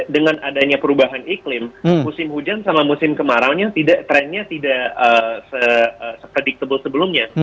dengan adanya perubahan iklim musim hujan sama musim kemarau trennya tidak se predictable sebelumnya